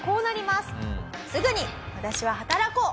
すぐに私は働こう！